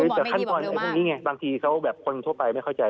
แต่ขั้นตอนพวกนี้ไงบางทีเขาแบบคนทั่วไปไม่เข้าใจ